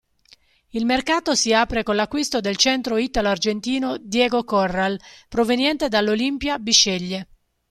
Il mercato si apre con l'acquisto del centro italo-argentino Diego Corral proveniente dall'Olimpia Bisceglie.